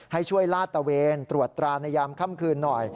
ให้ช่วยลาดตะเวนตรวจตราในยามค่ำคืนหน่อย